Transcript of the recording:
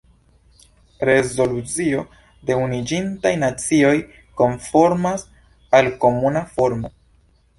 Rezolucio de Unuiĝintaj Nacioj konformas al komuna formo.